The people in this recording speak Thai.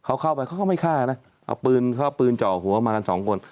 เขาเข้าไปเขาก็ไม่ฆ่านะเอาปืนเขาเอาปืนเจาะหัวมากันสองคน